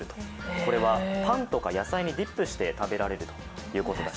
これはパンとか野菜にディップして食べられるということです。